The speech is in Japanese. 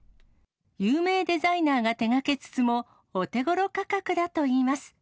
有名デザイナーが手がけつつも、お手ごろ価格だといいます。